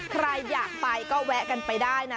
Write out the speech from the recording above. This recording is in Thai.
ใครอยากไปก็แวะกันไปได้นะ